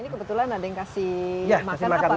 ini kebetulan ada yang kasih makan apa